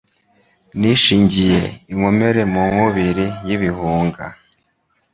Nishingiye inkomere mu nkubili y'ibihunga,